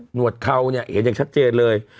หวดเข่าเนี่ยเห็นอย่างชัดเจนเลย